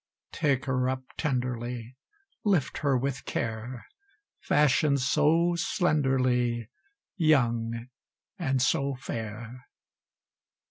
Take her up tenderly, Lift her with care; Fashion'd so slenderly, Young, and so fair!